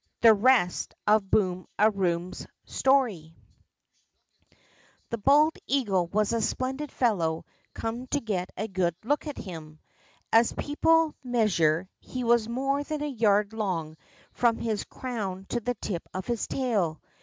THE REST Ot' BOOM A EOOm's STORY HE bald eagle was a splendid fellow come L to get a good look at him. As people measure, he was more than a yard long from his crown to the tip of his tail.